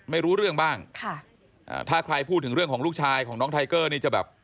ไม่รู้เรื่องบ้างค่ะอ่าถ้าใครพูดถึงเรื่องของลูกชายของน้องไทเกอร์นี่จะแบบ